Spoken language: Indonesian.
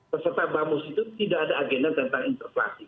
peserta bamus itu tidak ada agenda tentang interpelasi